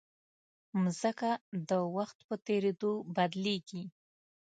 مځکه د وخت په تېرېدو بدلېږي.